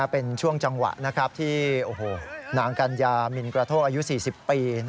เป็นช่วงจังหวะที่นางกัญญามินกระโทกอายุ๔๐ปี